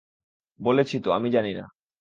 বলেছি তো, আমি জানি না।